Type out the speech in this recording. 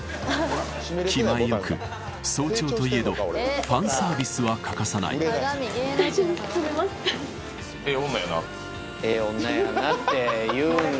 気前よく早朝といえどファンサービスは欠かさない「ええ女やな」って言うんだ。